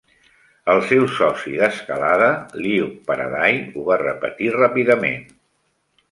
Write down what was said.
El seu soci d"escalada, Luke Parady, ho va repetir ràpidament.